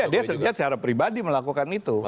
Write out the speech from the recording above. dia secara pribadi melakukan itu